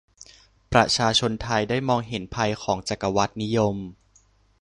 ประชาชนไทยได้มองเห็นภัยของจักรวรรดินิยม